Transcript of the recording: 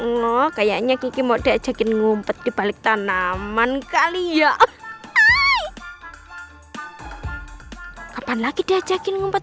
lo kayaknya kiki mau diajakin ngumpet dibalik tanaman kali ya kapan lagi diajakin ngumpet